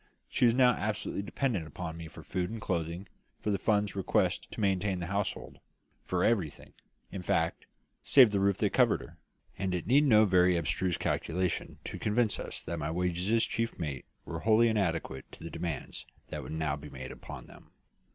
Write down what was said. She was now absolutely dependent upon me for food and clothing, for the funds requisite to maintain the household for everything, in fact, save the roof that covered her; and it needed no very abstruse calculation to convince us that my wages as chief mate were wholly inadequate to the demands that would now be made upon them.